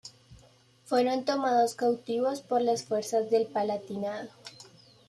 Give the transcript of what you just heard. Fueron tomados cautivos por las fuerzas del Palatinado.